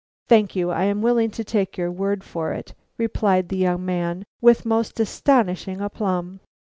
"Thank you! I am willing to take your word for it," replied the young man, with most astonishing aplomb.